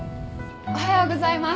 おはようございます。